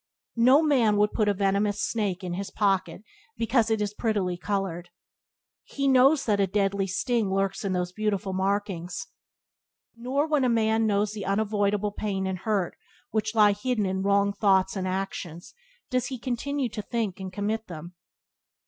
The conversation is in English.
No man would put a venomous snake in his pocket because it is prettily coloured. He knows that a deadly sting lurks in those beautiful markings. Nor, when a man knows the unavoidable pain and hurt which lie hidden in wrong thoughts and acts, does he continue to think and commit them.